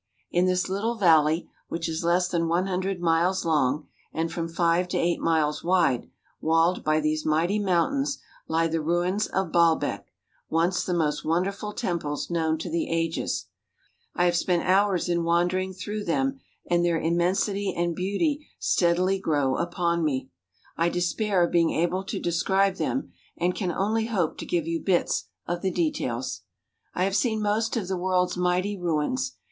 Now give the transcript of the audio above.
In this little valley, which is less than one hundred miles long and from five to eight miles wide, walled by these mighty mountains, lie the ruins of Baalbek, once the most wonderful temples known to the ages. I have spent hours in wandering through them, and their im 232 BAALBEK THE WONDERFUL mensity and beauty steadily grow upon me. I despair of being able to describe them and can only hope to give you bits of the details. I have seen most of the world's mighty ruins.